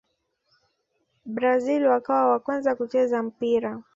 brazil wakawa wa kwanza kucheza mpira